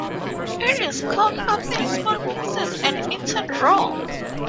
It is cut up in small pieces and eaten raw.